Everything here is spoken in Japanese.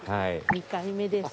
２回目です。